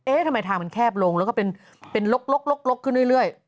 ทำไมทางมันแคบลงแล้วก็เป็นลกขึ้นเรื่อย